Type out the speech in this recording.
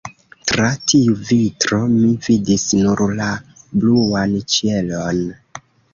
Tra tiu vitro mi vidis nur la bluan ĉielon.